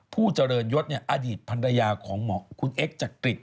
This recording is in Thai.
ผู้เจริญยศอดีตภรรยาของคุณเอ็กซจักริต